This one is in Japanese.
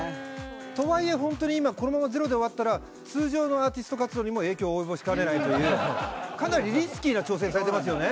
とはいえ、本当に今、このままゼロで終わったら、通常のアーティスト活動にも影響を及ぼしかねないという、かなりリスキーな挑戦されてますよね。